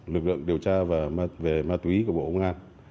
lực lượng điều tra về ma túy của bộ công an